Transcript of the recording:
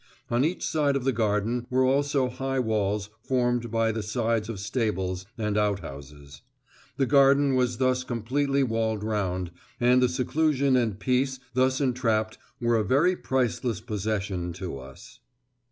On each side of the garden were also high walls formed by the sides of stables and outhouses; the garden was thus completely walled round, and the seclusion and peace thus entrapped were a very priceless possession to us.